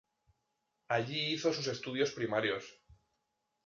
Allí hizo sus estudios primarios.